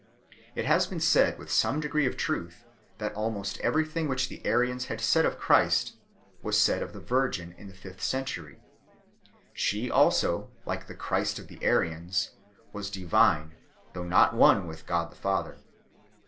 It has been said with some degree of truth that almost everything which the Arians had said of Christ was said of the Virgin in the fifth century. She also, like the Christ of the Arians, was divine though not one with God the Father.